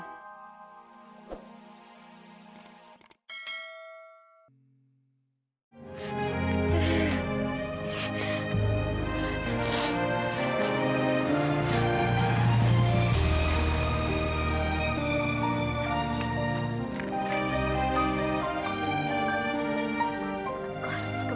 aku harus kembali ke sana